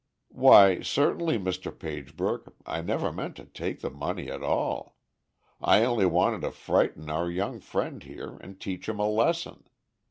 "Why certainly, Mr. Pagebrook. I never meant to take the money at all. I only wanted to frighten our young friend here, and teach him a lesson.